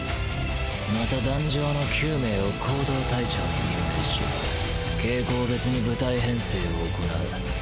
また壇上の９名を行動隊長に任命し傾向別に部隊編成を行う。